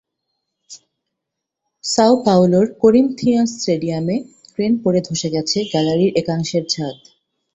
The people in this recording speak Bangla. সাও পাওলোর করিন্থিয়ানস স্টেডিয়ামে ক্রেন পড়ে ধসে গেছে গ্যালারির একাংশের ছাদ।